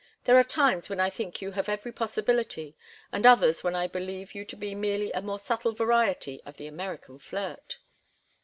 There are times when I think you have every possibility, and others when I believe you to be merely a more subtle variety of the American flirt."